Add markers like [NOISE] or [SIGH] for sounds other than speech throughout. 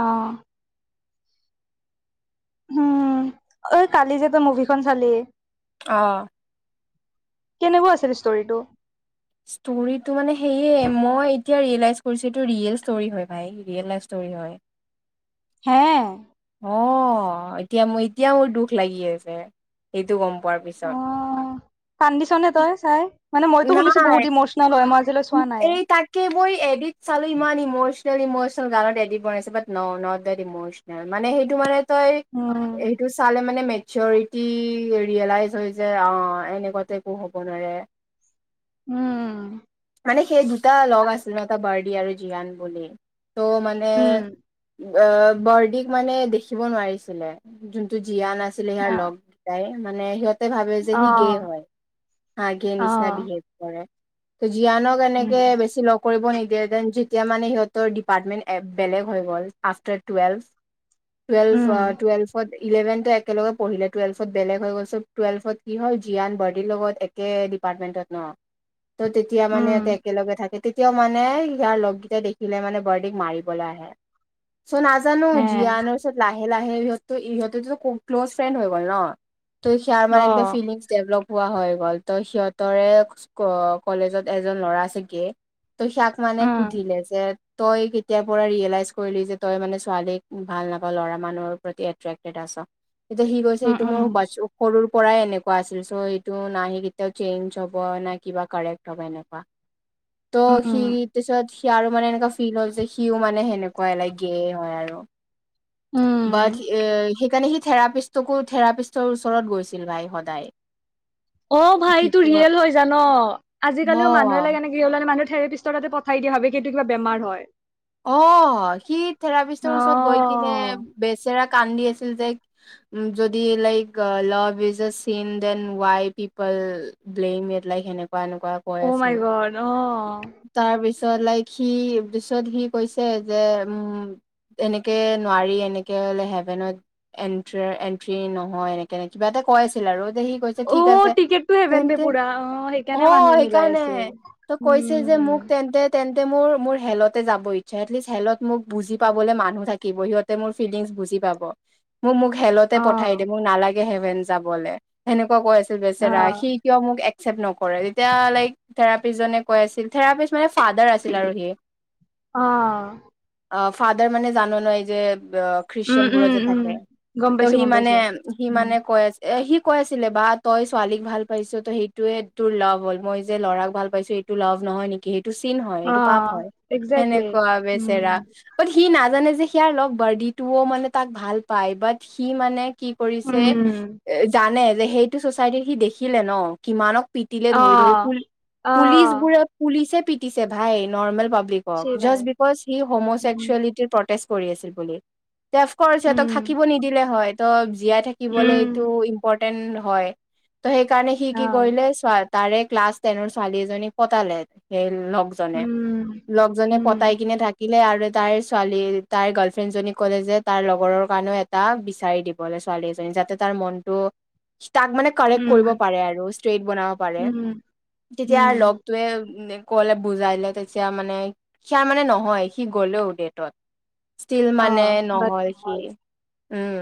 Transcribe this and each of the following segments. অহ' উম' অঐ কালি যে তই মুভিখন চালি? অ' কেনেকুৱা আছিল ষ্টৰটো? ষ্টৰি মানে সেইয়ে, মই এতিয়া ৰিয়েলাষ্ট কৰিছো এইটো ৰিয়েল ষ্টৰি হয় ভাই, ৰিয়েল লাইভ ষ্ট হয় হয়। হে অহ' এতিয়া মোৰ, এতিয়া মোৰ দুখ লাগি আছে সেইটো গম প অ' কানডিচন হ তাই চাই মানে মইতো শুনিছো নাই, বহুত ইমচনেল হয় মই আজিলৈ চোৱা নাই। এই তাকে বৈ এডট চালো ইমান ইমচ চলি, মই চব গানত এডিত বনাইছো, but no not that emotional মানে সেইটো মানে তই উম এইটো চালে মানে মে চ ৰিটি ৰিলাইচ হৈ যায় অ এনেকুৱাতে একো হ'ব নোৱাৰে। উম' মানে সেই দুটা লগ আছিলে, এটা বাৰ্ডি আৰু জীয়ান বুলি। ত' মানে উম অ' বৰদিক মানে দেখিব নোৱাৰিছিলে, যোনটো। জীয়ান আছিলে, হৈয়া লগ গেইটাই মানে, সিহঁত। ভাবে যে অ সি গে হয়, হা গে অ নিচিনা বিহেভ কৰে। জীয়ানক উম এনেকে বেছি লগ কৰিব নিদি। দেন, যেতিয়া মানে সিহঁতৰ ডিপাৰ্টমেন্ট বেলেগ হৈ গ'ল, আফটাৰ টুৱেলভ। টুৱেলফ, উম অ টুৱেলফ। ইলেভেন একেলগে পঢ়িলে, টুৱেলভত বেলেগ হৈ গ'ল ছো টুৱেলভত কি হ'ল জিয়ান বাৰডিৰ লগত একে। পাৰ্তমেটত ন, ট তেতিয়া মানে উম একে লগে থাকি। তেতিয়াও মানে, ইয়াৰ লগ গীটাই দেখিলে মানে বৰদেক মাৰিবলৈ আহে। চ' নাজানো হে জিয়ান পিছত লাহে-লাহে ইহঁতো ইহঁতে ক্ল'জ ফ্ৰেণ্ড হৈ গ'ল ন। ত' সিয়াৰ অ মানে এনেকে ফিলিংছ ডেভলপ হোৱা হৈ গ'ল, ত সিহঁতৰে। কলেজত এজন ল'ৰা আছে গে, ত' সিয়াক মানে উম সুধিলে যে। তই কেতিয়াৰ পৰা ৰিয়েলাইজ কৰিলি যে তই মানে ছোৱালীক ভাল নাপায় লৰা মানুহৰ প্ৰতি এট্ৰেক্টেড আছ। এতিয়া সি কৈছে উম সেইটো মোৰ উম সৰুৰ পৰা। পৰাই এনেকুৱা আছিল চ' এইটো নাহি কেতিয়াও চেঞ্জ হ'ব নাই কিবা কাৰেক্ট হ'ব এনেকুৱা। ত উম সি উম তাপিছত। সি আৰু মানে এনেকুৱা ফিল হল যে সিও মানে সেনেকুৱাই গে হয় আৰু। বাত। উম সেইকাৰণে সি থেৰাপিষ্টকো থেৰাপিষ্টৰ ওচৰত গৈছিল ভাই সদায়। অ কি ভাইটো কয় ৰিয়েল হৈ জান আজিকালিও মানুহ অ', লাগেনেকি হলে। মানুহে থেৰাপিষ্টৰ তা পঠাই দিয়া হয় কিন্তু কা বেমাৰ হয়। অ সি থেৰাপিষ্টৰ ওচৰত গৈ কিনে অ বেচেৰা। কান্দি আছিল যে যদি like love is. Blame it like হেনেকুয়া এনেকুৱা কই অ মাই আছে গড অ তাৰ পিছত। পিছত লাইক সি পিছত সি কৈছে যে উম। এনেকে নোৱাৰি এনেকেলে হেভেনত এট্ৰ এন্ট্ৰি নহয় এনেকে এ কিবা এটা। কৈ আছিল আৰু। দেহি কৈছে অ ঠিক আছে টিকেটটো হেভেন বে তেন্তে পুৰা অ অ সেইকাৰণে মানুহে মিলাই সেইকাৰণে আছিল ত কৈছে যে। উম মোক তেন্তে তেন্তে মোৰ মোৰ হেলতে যাব। এট লিষ্ট হেলত মোক বুজি পাবলে মানুহ থাকিব সিহঁতে মোৰ ফিলিংছ বুজি পাব। মোক মোক হেলতে অ পঠাই দিয় মোক নালাগে হেভেন যাবলে সেনেকুৱা কৈ আছে। ছ অ বেচেৰা সি কিবা মোক। একচেপ্ট নকৰে তেতিয়া লাইক থেৰাপিষ্টজনে কৈ আছিল থেৰাপিষ্ট মানে ফাডাৰ আছিল আৰু সি। অ। অ ফাদাৰ মানে জানো নয় যে। অ উম খ্ৰীষ্টিয়ান বোৰ উম যে উম থাকে গম ত' পাইছো সি গম মানে পাইছো সি উম মানে কৈ। এ সি কৈ আছিলে বা তই ছোৱালীক ভাল পাইছো তই সেইটোোৱে তোৰ লগভ হ'ল মই যে ল'ৰাক ভাল পাইছো। সেইটো লাভ নহয় নেকি সেইটো চিন হয় অ সেইটো পাপ হয় একজেক্টলি সেনেকুৱা উম বেচেৰা। সি নাজানে যে সিয়াৰ লগ বাৰ্ডিটোও মানে তাক ভাল পায় বাট সি মানে। কি কৰিছে উম এ জানে যে সেইটো চচাইটিত সি দেখিলে ন কিমানক। পিটিলে অ ধৰি ধৰি অ পুলিচবোৰে পুলিচে পিতিছে ভাই নৰ্মেল। পাব্লিকক চিবাই জাষ্ট বিকজ সি উম হোম'চেক্সুৱেলিটিৰ প্ৰটেষ্ট কৰি আছিল বুলি। তে অফকৰ্চ সিহঁতক উম থাকিব নিদিলে হয়। ত জীয়াই থাকিবলে উম এইটো ইম্পৰ্টে হয় ত সেইকাৰণে সি অ কি কৰিলে চোৱা তাৰে ক্লাছ টেনৰ ছোৱালী এজনীক পতালে সেই লগজনে। উম লগজনে উম পতাই কিনে থাকিলে আৰু তাইৰ ছোৱালী তাইৰ গাৰ্লফ্ৰেণ্ডজনীক ক'লে যে তাই লগৰৰ কাৰণেও এটা বিচাৰি দিবলে ছোৱালী এজনী। যাতে তাৰ মনটো তাক মানে কাৰেক্ট কৰিব উম পাৰে আৰু ষ্ট্ৰেইট বনাব পাৰে। উম তেতিয়া উম লগটোৱে কলে বুজাইলে তেতিয়া মানে হিয়া মানে নহয় সি গলেও ডেটত। ষ্টীল অ মানে বাট নহয় সি। উম,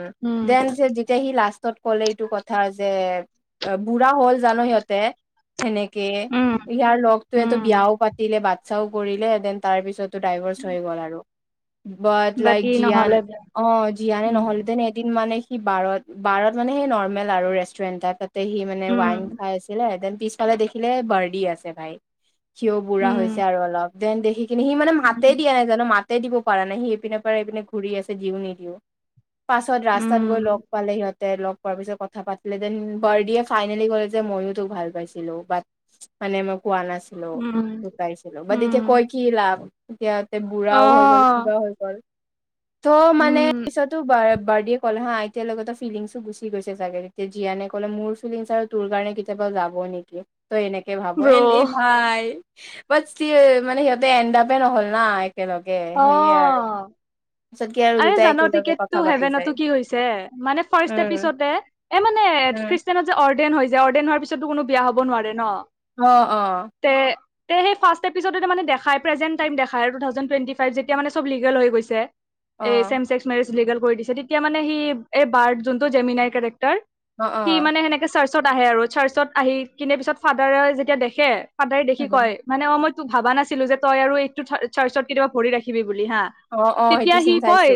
দেন যেতিয়া সি লাষ্টত কলে এইটো কথা যে বুঢ়া হ'ল জানো সিহঁতে। সেনেকে। উম ইয়াৰ লগটোৱেটো উম বিয়াও পাতিলে, বাচ্ছাও কৰিলে। দেন তাৰ পিছত টো ডাইভৰ্চ হৈ গ'ল আৰু। বাট লাইক বাকী জীয়ান, নহ'লে অ জীয়ানে উম, নহ'লেতেনে এদিন মানে সি বাৰত বাৰত মানে সেই নৰ্মেল আৰু ৰেষ্টুৰেণ্ট টাইপ, তাতে সি মানে উম, ৱাইন খাই আছিলে। দেন পিছফালে দেখিলে বাৰদি আছে ভাই। সিও বুঢ়া হৈছে উম, আৰু অলপ দেন দেখি কিন্তু সি মানে মাতে উম, দিয়া নাই, জান' মাতে দিব পৰা নাই। সি এইপিনে পাৰে এইপিনে ঘূৰি আছে দিও নিদিও। পাছত ৰাস্তাত গৈ উম, লগ পালে সিহঁত লগ পোৱাৰ পিছত কথা পাতি দেন বাৰদিয়ে ফাইনেলি কলে যে ময়ো তোক ভাল পাইছিলো। বাট মানে কোৱা নাছিলো উম, লুকাইছিলো। বাট উম, এতিয়া কয় কি লাভ? এতিয়া বুঢ়াও হৈ গ'ল, অ', কিবাও হৈ গ'ল। ত' মানে উম, পিছতো বা বাৰ্ডিয়ে ক'লে হা এতিয়ালৈকে তাৰ ফিলিংছো গুচি গৈছে চাগে। তেতিয়া জিয়ানে ক'লে মোৰ ফিলিংছ আৰু তোৰ কাৰণে কেতিয়াবা যাব নেকি? ত এনেকে ভাব। ব্ৰ' এ এই ভাই বাট মানে ষ্টীল, সিহঁতে এনডাপে নহল না। একেলগে অ। সেয়ে আৰু পিছত কি আৰু আৰে দুটাই জান' একেলগে কথা টিকেটটো পাতি যায় হেভেনতো কি হৈছে? মানে ফাৰ্ষ্ট উম এপিচড এ মানে এ উম, খ্ৰীষ্টানত যে অৰ্ডেন হৈছে অৰ্ডেন হোৱাৰ পিছতো কোনো বিয়া হব নোৱাৰে ন। অ অ। তে তে সেই ফাৰ্ষ্ট এপিচডত মানে দেখাই প্ৰেজেণ্ট টাইম দেখাই টু থাউজেণ্ড টুৱেন্টি ফাইভ যেতিয়া মানে চব লিগেল হৈ গৈছে। এই অ', চেম্স মেৰিজ লিগেল কৰি দিছে। তেতিয়া মানে সি এই বাৰ যোনটো জেমিনাৰ অ', সি অ', মানে সেনেকে চাৰ্চত আহে আৰু। চাৰ্চত আহি কিনে পিছত ফাদাৰে যেতিয়া দেখে সদাই দেখি কয় উম, মানে অ মইতো ভাবা নাছিলো যে তই আৰু এইটো চাৰ্চত কেতিয়াবা ভৰি ৰাখিবি। বুলি হা অ', অ', তেতিয়া সেইটো সি চিন কয় চাইছো।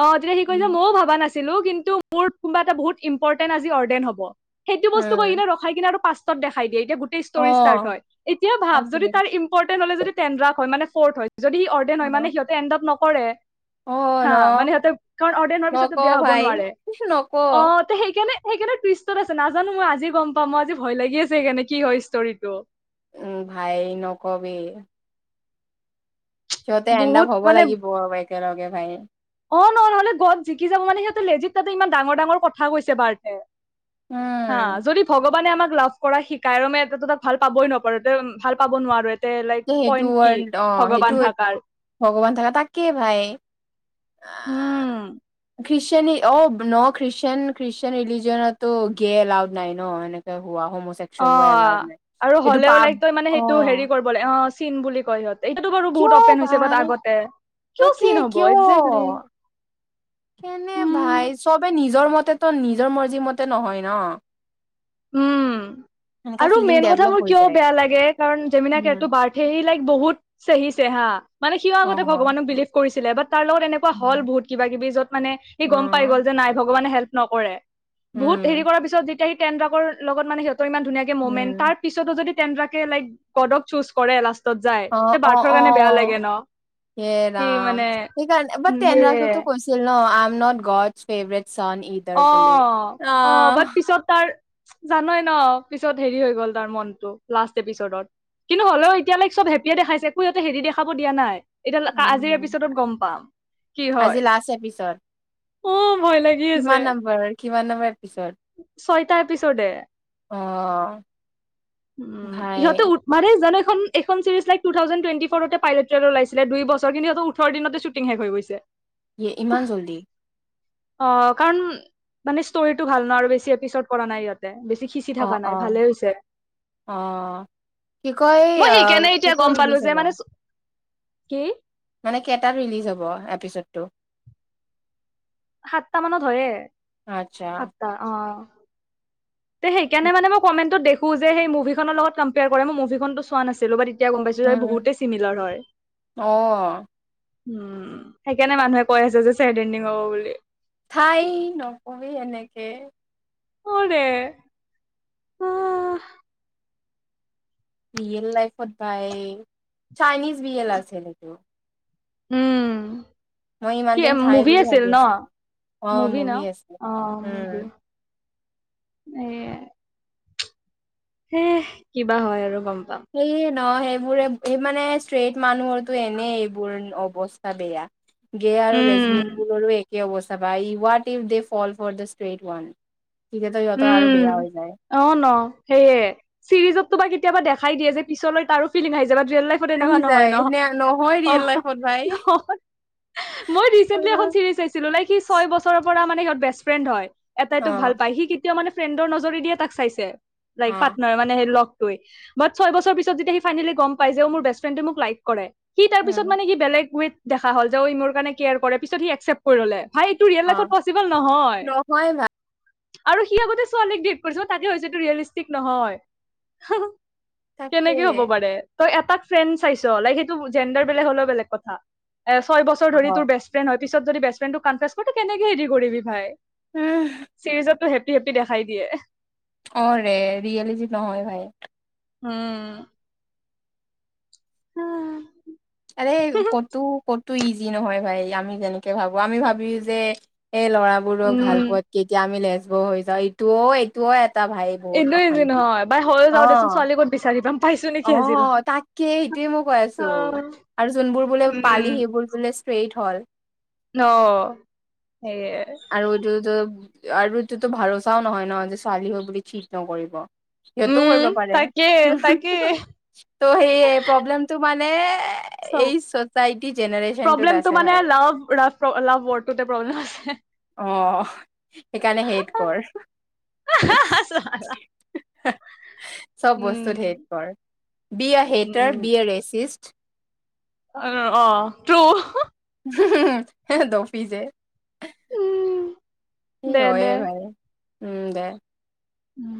অ তেতিয়া সি কৈ যে উম, ময়ো ভাবা নাছি লো কিন্তু মোৰ কোনোবা এটা বহুত ইম্পৰটেন্ট অৰ্ডেন হ'ব। সেইটো বস্তু এনে উম, মই ৰখাই কিনে আৰু পাচঁ ত দেখাই দিয়ে। এতিয়া গোটেই ষ্টৰি ষ্টাৰ্ট অ', হয়। এতিয়া ভাৱ তাকে যদি তাৰ ইম্পৰ্টেণ্ট হলে যদি ট্ৰেনডাফ হয় মানে ফৰ্থ হয়, যদি অৰ্ডেন হয় মানে অ', সিহঁতে এনডপ নকৰে। অ', ন হা মানে সিহঁতক কাৰণ অৰ্ডন হোৱাৰ নক পিছতটো বেয়া হ'ব ভাই নোৱাৰে। নক অ তে সেইকাৰণে সেইকাৰণে টুইষ্টত আছে। নাজানো মই আজি গম পাম। মই আজি ভয় লাগি আছে সেইকাৰণে কি হয় ষ্টৰিটো। উম, ভাই নকবি। সিহঁতে এণ্ড আপ বহুত হব মানে লাগিব একেলগে ভাই। অ ন নহলে গড জিকি যাব মানে। সিহতে লেজিত তাতে ইমান ডাঙৰ ডাঙৰ কথা কৈছে বাৰ্টে। হা উম, যদি ভগৱানে আমাক লাভ কৰা শিকাই, ৰ মে তাক ভাল পাবই নপো এ ভাল পাব নোৱাৰো। লাইক তে সেইটো পইণ্ট কি ৱৰ্ল্ড অ', সেইটো ভগৱান থাকাৰ? ভগৱান থকা তাকে ভাই উম। খ্ৰীষ্টান অ ন খ্ৰীষ্টান খ্ৰীষ্টান ৰিলিজনতো গে এলাউড নাই ন এনেকে হোৱা। অ হোমচেক্সুৱেল হোৱা এলাউড নাই আৰু এইটো হ'লেও পাপ লাইক তই মানে সেইটো অ', হেৰি কৰিব লাগে, অ চিন বুলি কয় সিহঁত। এতিয়াতো বাৰু বহুত কিয় অপেন হৈছে ভাই বাট আগতে কিয় তাকে চিন হ'ব কিয় একজেক্টলি। কেনে উম ভাই চবে নিজৰ মতেতো নিজৰ মৰ্জি মতে নহয় ন। উম, সেনেকা আৰু ফিলিং মেইন কথা ডেভলপ মোৰ হৈ কিয় যায় বেয়া লাগে কাৰণ জেমিনা কেৰটো উম বাৰ্থে লাগে। বহুত চেহিছে হা, মানে সিও অ আগতে ভগৱানক বিলিভ কৰিছিলে বাট। তাৰ লগত এনেকোৱা হ'ল বহুত কিবা কিবি যত মানে অ সি গম পাই গল যে নাই ভগৱানে হেল্প নকৰে। উম বহুত হেৰি উম কৰাৰ পিছত যেতিয়া সি টেড্ৰাকৰ লগত মানে সিহঁতৰ ইমান ধুনীয়াকে মুভমেণ্ট তাৰ পিছতো যদি। তেণ্ডাকে লাইক গডক চুজ কৰে লাষ্টত যায় অ তে অ বাৰ্থৰ অ কাৰণে বেয়া লাগে ন। হে সি ৰাম, মানে সেইকাৰণে বাট উম সেয়ে তেনৰাকোতো কৈছিল ন I am not god favourite. Son either অ বুলি অ আহ বাট পিছত তাৰ। জানই ন পিছত হেৰি হৈ গ'ল তাৰ মনটো লাষ্ট এপিচডত। কিন্তু হলেও এতিয়ালৈ চব হেপীয়ে দেখাই একো সিহঁতে হেৰি দেখাব দিয়া নাই। এতিয়া আজিৰ উম এপিচডত গম পাম। কি হয় আজি লাষ্ট এপিছড। অ ভয় লাগে। কিমান নম্বৰ কিমান নম্বৰ। এপিছড ছয়টা এপিচ'ডে। অঁ। উম ইহঁতে উত মাৰে জানে। খন এইখন series like two thousand twenty ফ'ৰতে পাইলট ওলাইছিলে দুই বছৰ কিন্তু সিহঁত ওঠৰ দিনতে শ্বুটিং শেষ হৈ গৈছে। ইয়ে ইমান জল্দি। অ'কাৰণ মানে ষ্টৰিটো ভাল ন বেছি এপিচড কৰা নাই ইহতে। সিঁচি অ থকা নাই অ ভালে হৈছে। অ কি কয় এই মই সেইকাৰণে এতিয়া কেতিয়া গম পালো ৰিলিজ যে হব। মানে কি? মানে কেইটাত ৰিলিজ হ'ব এপিচডটো। সাতটা মানত হয়ে আচ্ছা সাতটা অ। তে সেইকাৰণে মই কমেন্টত দেখোঁ যে সেই মুভিখনৰ লগত কম্পেয়াৰ কৰে মই মুভিখনটো চোৱা নাছিলো বাত। এতিয়া গম পাইছো যে উম বহুতে চিমিলাৰ হয়। অ উম, সেইকাৰণে মানুহে কৈ আছে যে ছেড এণ্ডিং হ'ব বুলি। থাই নকবি এনেকে। অ ৰে। ৰিয়েল লাইফত বাই চাইনিজ বিয়েল আছিল নেকি। উম মই ইমান কি দিন ঠাই মুভি বুলি আছিল ভাবি ন। আছিলো অ মুভি ন আছে অ উম মুভি এই। হে কিবা হয় আৰু গম। পাম এই। ন, সেইবোৰে এই মানে ষ্ট্ৰেইট মানুহৰো এনে এইবোৰ অৱস্থা বেয়া। গে আৰু উম লেচবিন বোৰৰো একে অৱস্থা পায় ই what if they fall for the straight one. তেতিয়াতো সিহঁতৰ আৰু উম বেয়া হৈ যায় অ ন সেইয়ে চিৰিজত। তোমাৰ কেতিয়াবা দেখাই দিয়ে যে, পিছলৈ তাৰো ফিলিং আহি য বা ৰিয়েল লাইফত এনেকুৱা আহি নহয় যায় ন। নে নহয় ৰিয়েল অঁ। লাইফত ভাই মই অ ৰিচেণ্টলি এখন চিৰিজ চাইছিলো, লাইক সি ছয় বছৰৰ পৰা মানে। সিহত বেষ্ট ফ্ৰেড হয় এটাই অ তোক ভাল পায় সি কেতিয়া মানে ফ্ৰেণ্ডৰ নজৰে দিয়ে তাক চাইছে। অ লাইক পাটনাৰ মানে ল। বাট ছয় বছৰ পিছ যেতিয়া সি ফাইনেলি গম পাই যে মোৰ বেষ্ট ফ্ৰিয়েন্দে মোক লাইক কৰে। সি তাৰ পিছত উম মানে কি বেলেগ ৱে দেখা হ'ল যে অ ই মোৰ কাৰণে কেয়াৰ কৰে পিছত সি একচেপ্ট কৰি ললে। ভাই এইটো ৰিয়েল অ লাইফত পচিবল নহয়। আৰু সি আগতে ছোৱালীক দেত কৰিছ তাতে ভাবিছোঁ এইটো ৰিয়েল ইষ্টিক নহয়। তাকে কেনেকে হ'ব পাৰে তই এটাক ফ্ৰেণ্ড চাইছ লাই সেইটো জেণ্ডাৰ বেলেগ হ'লেও বেলেগ কথা। এ ছয় বছৰ অ ধৰি তোৰ বেষ্ট ফ্ৰেণ্ড হয় পিছত যদি বেষ্ট ফ্ৰেডক কনফে্ছো কেনেকে হেৰি কৰিবি ভাই উম চিৰিজতো হেপ্পি হেপ্পি দেখাই দিয়ে অ ৰে ৰিয়েলি যি নহয় ভাই উম উম আৰে কতো কতো ইজি নহয় ভাই আমি যেনেকে ভাবো আমি ভাবি যে এই ল'ৰাবোৰক ভাল উম পোৱাত কেতিয়া আমি লেজবৰ হৈ যাওঁ ইটোও এইটোও ভাই বহুত এইটোৱে যি অশান্তি নহয় বাই হয়ো অ যাওঁ দেচোন ছোৱালী ক'ত বিচাৰি পাম পাইছো নেকি অ আজিলৈ তাককে সেইটোৱে মই কৈ আছো অ আৰু যোনবোৰ বোলে পালি সেইবোৰ বোলে ষ্ট্ৰেইট হল অ সেই আৰুটো ভৰচাও নহয় ন যে ছোৱালী হৈ বুলি চিট নকৰিব সিহতো কৰিব উম পাৰে তাকে তাকে ত' সেই প্ৰব্লেমটো মানে চ এই চচাইটি জেনেৰচনটোৰ প্ৰব্লেমটো আছে মানে ভাই লাভ লাভ লাভ ৱৰ্ডটোতে প্ৰব্লেম আছে অ সেইকাৰণে সেইত কৰ উ হা হা ছালা [INAUDIBLE] চব বস্তুত হেট কৰ বিয়া হেইটাৰ বিয়া ৰেচি লিষ্ট অ অ তো দফি যে স হয়ে ভাই উম দে উম